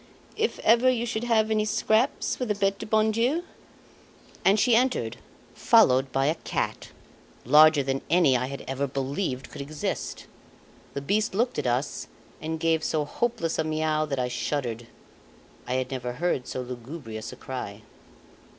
"If ever you should have any scraps for the Bete du Bon Dieu ?" And she entered, followed by a cat, larger than any I had ever believed could exist. The beast looked at us and gave so hopeless a miau that I shuddered. I had never heard so lugubrious a cry.